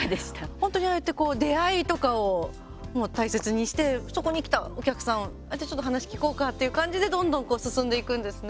本当に、ああやって出会いとかを大切にしてそこに来たお客さんじゃあ、ちょっと話聞こうかっていう感じでどんどん進んでいくんですね。